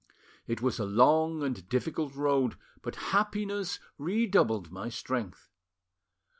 It was a long and difficult road, but happiness redoubled my strength.